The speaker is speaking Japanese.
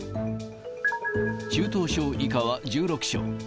中等症以下は１６床。